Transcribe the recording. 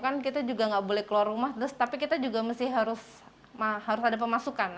kan kita juga nggak boleh keluar rumah tapi kita juga mesti harus ada pemasukan